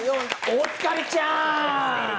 お疲れちゃん。